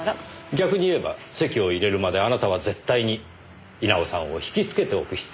逆に言えば籍を入れるまであなたは絶対に稲尾さんを引きつけておく必要があった。